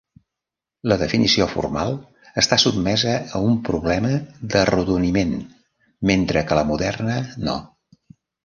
La definició formal està sotmesa a un problema d'arrodoniment mentre que la moderna no.